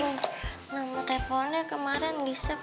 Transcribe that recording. nama teleponnya kemarin gisab